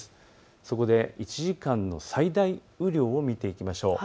そこで１時間の最大雨量を見ていきましょう。